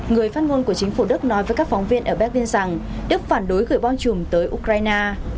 người phát ngôn của chính phủ đức nói với các phóng viên ở berlin rằng đức phản đối gửi bom chùm tới ukraine